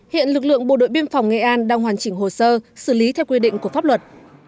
hiện lực lượng bộ đội biên phòng nghệ an đang hoàn chỉnh hồ sơ xử lý theo quy định của pháp luật